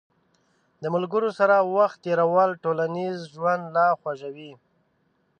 د ملګرو سره وخت تېرول ټولنیز ژوند لا خوږوي.